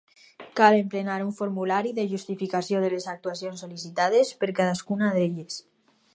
Cal emplenar un formulari de justificació de les actuacions sol·licitades per cadascuna d'elles.